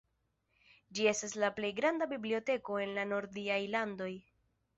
Ĝi estas la plej granda biblioteko en la nordiaj landoj.